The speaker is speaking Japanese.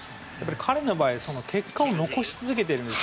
彼の場合は結果を残し続けているんですよ。